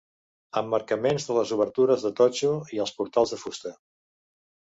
Emmarcaments de les obertures de totxo i els portals de fusta.